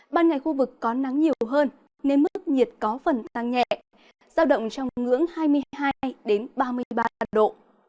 ban ngày khu vực có nắng nhiều hơn nên mức nhiệt có phần tăng nhẹ giao động trong ngưỡng hai mươi hai ba mươi ba độ